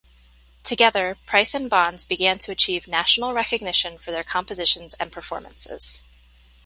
Together, Price and Bonds began to achieve national recognition for their compositions and performances.